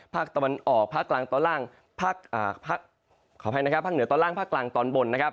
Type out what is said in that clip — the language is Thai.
ภาคตอนออกภาคกลางตอนล่างภาคเหนือตอนล่างภาคกลางตอนบน